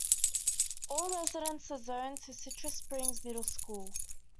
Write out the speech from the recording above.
All residents are zoned to Citrus Springs Middle School.